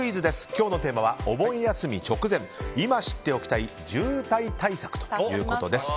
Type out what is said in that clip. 今日のテーマは、お盆休み直前今知っておきたい渋滞対策ということです。